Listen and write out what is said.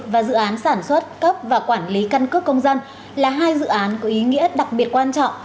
và dự án sản xuất cấp và quản lý căn cước công dân là hai dự án có ý nghĩa đặc biệt quan trọng